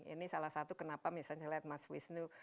ini salah satu kenapa misalnya lihat mas wisnu